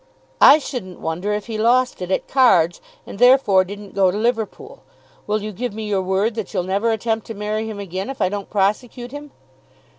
"I shouldn't wonder if he lost it at cards, and therefore didn't go to Liverpool. Will you give me your word that you'll never attempt to marry him again if I don't prosecute him?"